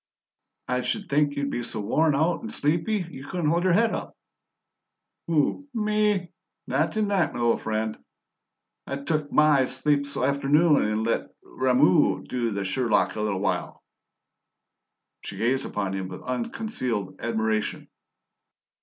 "I should think you'd be so worn out and sleepy you couldn't hold your head up!" "Who? ME? Not t' night, m'little friend. I tuk MY sleep's aft'noon and let Rameau do the Sherlock a little while." She gazed upon him with unconcealed admiration.